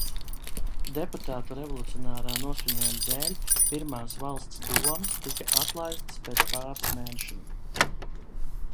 Deputātu revolucionārā noskaņojuma dēļ pirmās Valsts domes tika atlaistas pēc pāris mēnešiem.